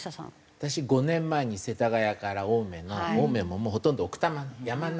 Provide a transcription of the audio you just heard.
私５年前に世田谷から青梅の青梅ももうほとんど奥多摩の山の中ですけど。